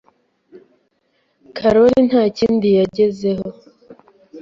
Karoli ntakindi yagezeho.